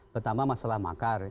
pertama masalah makar